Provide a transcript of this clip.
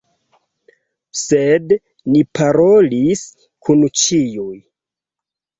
Sed ni parolis kun ĉiuj.